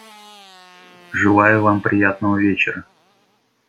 Желаю вам приятного вечера.